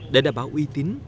để đảm bảo uy tín